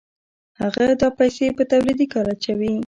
هغه دا پیسې په تولیدي کار اچوي